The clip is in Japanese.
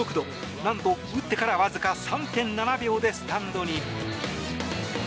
なんと打ってからわずか３．７秒でスタンドに。